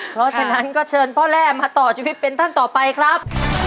เพราะฉะนั้นก็เชิญพ่อแร่มาต่อชีวิตเป็นท่านต่อไปครับ